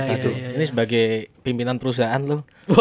ini sebagai pimpinan perusahaan lu